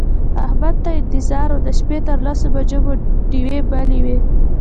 احمد ته انتظار و د شپې تر لسو بجو مو ډېوې بلې وې.